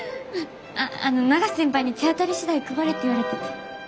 あっあの永瀬先輩に「手当たり次第配れ」って言われてて。